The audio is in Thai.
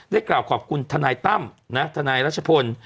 ได้กล่าวกอบคุณทนายต้ำทนายรัชพล